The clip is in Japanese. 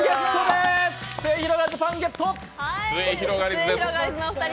すゑひろがりずの勝ち！